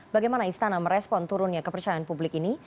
bagaimana istana merespon turunnya kepercayaan publik ini